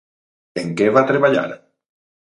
En què va treballar?